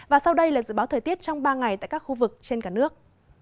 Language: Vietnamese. và sau đây là dự báo thời tiết trong ba ngày tại các khu vực trên cả nước